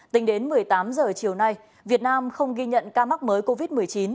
tính đến một mươi tám h chiều nay việt nam không ghi nhận ca mắc mới covid một mươi chín